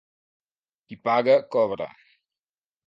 Qui paga cobra.